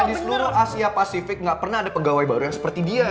di seluruh asia pasifik nggak pernah ada pegawai baru yang seperti dia